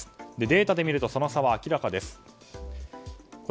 データで見るとその差は明らかです。